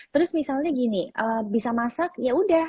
terus misalnya gini bisa masak ya udah